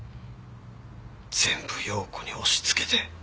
全部陽子に押しつけて。